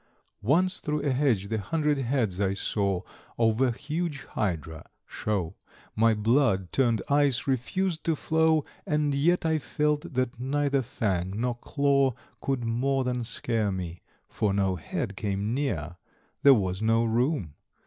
Once through a hedge the hundred heads I saw Of a huge Hydra show. My blood, turned ice, refused to flow: And yet I felt that neither fang nor claw Could more than scare me for no head came near. There was no room.